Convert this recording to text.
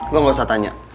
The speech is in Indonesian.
gue nggak usah tanya